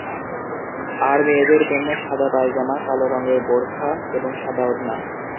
আর মেয়েদের জন্য সাদা পায়জামা, কালো রঙের বোরখা এবং সাদা ওড়না।